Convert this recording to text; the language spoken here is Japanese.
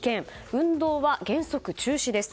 運動は原則中止です。